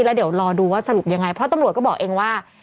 แล้วเดี๋ยวรอดูว่าสรุปยังไงเพราะตำรวจก็บอกเองว่า